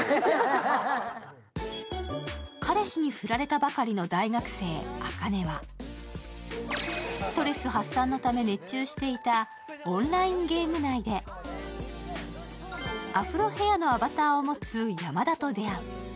彼氏に振られたばかりの大学生茜はストレス発散のため熱中していたオンラインゲーム内でアフロヘアのアバターを持つ山田と出会う。